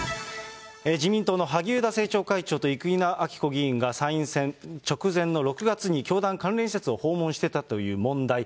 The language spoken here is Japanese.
自民党の萩生田政調会長と生稲晃子議員が参院選直前の６月に、教団関連施設を訪問していたという問題。